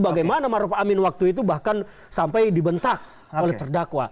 bagaimana maruf amin waktu itu bahkan sampai dibentak oleh terdakwa